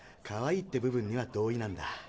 「かわいい」って部分には同意なんだ。